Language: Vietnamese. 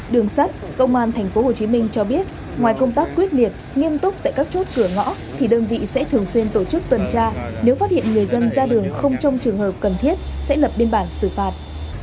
đường sắt công an tp hcm cho biết ngoài công tác quyết liệt nghiêm túc tại các chốt cửa ngõ thì đơn vị sẽ thường xuyên tổ chức tuần tra nếu phát hiện người dân ra đường không trong trường hợp cần thiết sẽ lập biên bản xử phạt